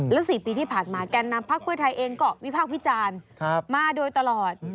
และ๔ปีที่ผ่านมาแก่นนำพักเพื่อไทยเองก็วิพากษ์วิจารณ์มาโดยตลอด